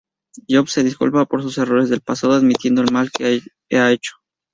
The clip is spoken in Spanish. Jobs se disculpa por sus errores del pasado, admitiendo el mal que ha hecho.